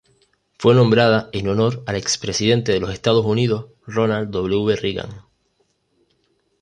Fue nombrada en honor al expresidente de los Estados Unidos, Ronald W. Reagan.